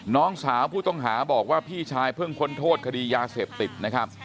น้องสาวผู้ต้องหาบอกว่าพี่ชายเพิ่งพ้นโทษคดียาเสพติดนะครับ